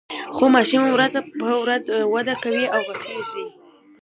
خو ماشوم ورځ په ورځ وده کوي او غټیږي.